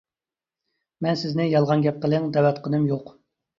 مەن سىزنى يالغان گەپ قىلىڭ دەۋاتقىنىم يوق.